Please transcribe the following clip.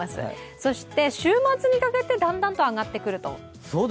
そして週末にかけて、だんだんと上がってくると。